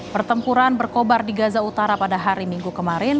pertempuran berkobar di gaza utara pada hari minggu kemarin